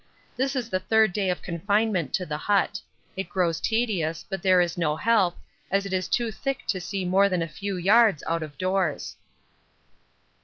This is the third day of confinement to the hut: it grows tedious, but there is no help, as it is too thick to see more than a few yards out of doors.